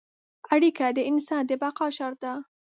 اړیکه د انسان د بقا شرط ده.